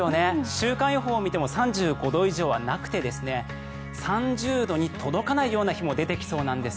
週間予報を見ても３５度以上はなくて３０度に届かないような日も出てきそうなんです。